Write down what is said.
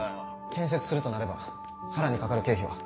建設するとなれば更にかかる経費は？